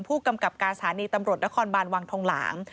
ผู้กำกับการสถานีตำรวจนครบานวังทองหลาง